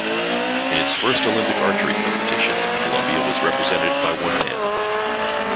In its first Olympic archery competition, Colombia was represented by one man.